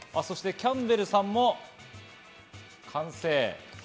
キャンベルさんも完成。